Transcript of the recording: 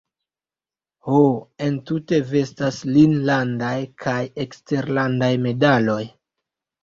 Ho, entute vestas lin landaj kaj eksterlandaj medaloj.